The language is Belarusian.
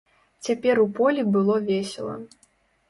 Цяпер у полі было весела.